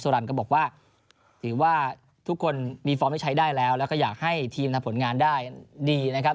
รันก็บอกว่าถือว่าทุกคนมีฟอร์มให้ใช้ได้แล้วแล้วก็อยากให้ทีมทำผลงานได้ดีนะครับ